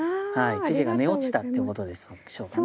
父が寝落ちたってことでしょうかね。